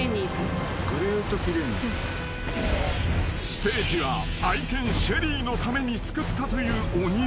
［ステージは愛犬シェリーのために作ったというお庭］